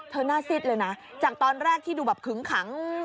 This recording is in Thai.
เธอน่าสิทธิ์เลยนะจากตอนแรกที่ดูแบบขึ้งขัง